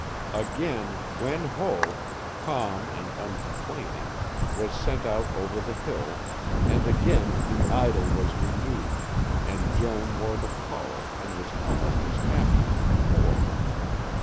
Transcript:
Again Wen Ho, calm and uncomplaining, was sent out over the hill, and again the idyll was renewed, and Joan wore the collar and was almost as happy as before.